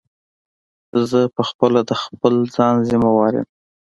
زه په خپله د خپل ځان ضیموار یم.